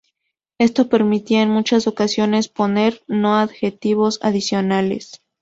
Esto permitía en muchas ocasiones poner o no adjetivos adicionales.